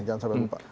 jangan sampai lupa